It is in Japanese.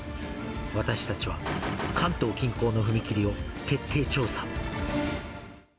私たちは関東近郊の踏切を徹底調査。